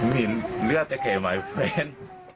มีเลือดแค่แม่เพื่อน